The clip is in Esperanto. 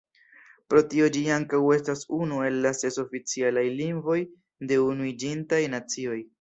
Pro tio ĝi ankaŭ estas unu el la ses oficialaj lingvoj de Unuiĝintaj Nacioj.